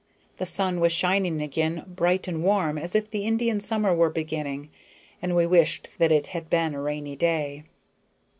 The sun was shining again bright and warm as if the Indian summer were beginning, and we wished that it had been a rainy day.